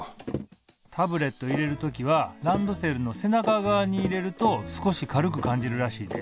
タブレット入れる時はランドセルの背中側に入れると少し軽く感じるらしいで。